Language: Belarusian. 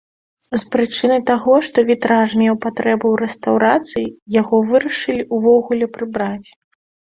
З прычыны таго, што вітраж меў патрэбу ў рэстаўрацыі, яго вырашылі ўвогуле прыбраць.